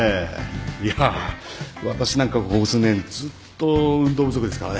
いや私なんかここ数年ずっと運動不足ですからね。